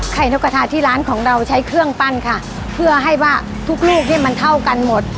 นกกระทาที่ร้านของเราใช้เครื่องปั้นค่ะเพื่อให้ว่าทุกลูกเนี่ยมันเท่ากันหมด